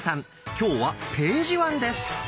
今日は「ページワン」です。